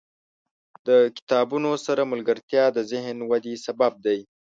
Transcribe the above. • د کتابونو سره ملګرتیا، د ذهن ودې سبب دی.